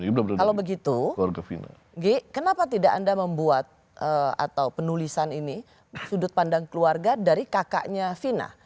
kalau begitu g kenapa tidak anda membuat atau penulisan ini sudut pandang keluarga dari kakaknya vina